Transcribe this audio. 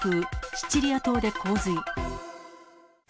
シチリア島で洪水。